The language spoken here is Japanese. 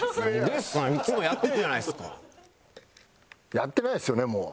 「やってないですよねもう」。